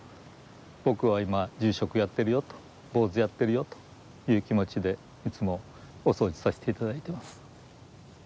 僕は今住職やってるよと坊主やってるよという気持ちでいつもお掃除させて頂いてます。